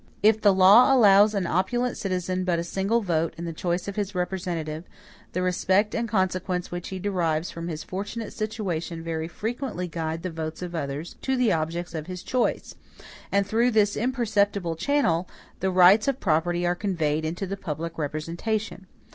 If the law allows an opulent citizen but a single vote in the choice of his representative, the respect and consequence which he derives from his fortunate situation very frequently guide the votes of others to the objects of his choice; and through this imperceptible channel the rights of property are conveyed into the public representation.